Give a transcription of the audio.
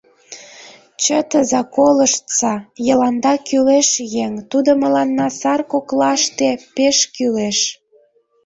— Чытыза, колыштса: Йыланда — кӱлеш еҥ, тудо мыланна сар коклаште пеш кӱлеш.